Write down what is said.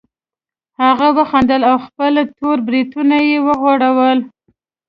هغه وخندل او خپل تور بریتونه یې وغوړول